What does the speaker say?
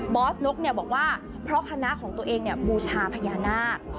อสนุ๊กบอกว่าเพราะคณะของตัวเองบูชาพญานาค